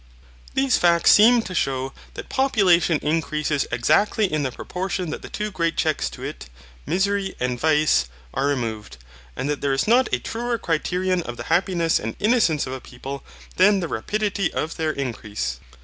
These facts seem to shew that population increases exactly in the proportion that the two great checks to it, misery and vice, are removed, and that there is not a truer criterion of the happiness and innocence of a people than the rapidity of their increase.